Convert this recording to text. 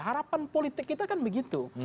harapan politik kita kan begitu